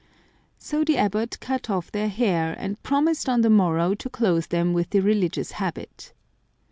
So the abbot cut off their hair, and promised on the morrow to clothe them with the religious habit.